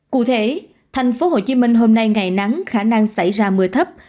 cụ thể tp hcm hôm nay ngày nắng khả năng xảy ra mưa thấp